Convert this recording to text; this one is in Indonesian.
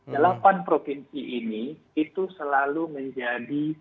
delapan provinsi ini itu selalu menjadi